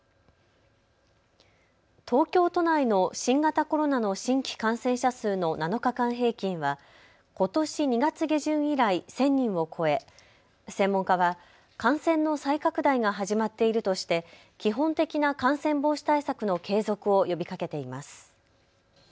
東京都内の新型コロナの新規感染者数の７日間平均はことし２月下旬以来１０００人を超え専門家は感染の再拡大が始まっているとして基本的な感染防止対策の継続を呼びかけています。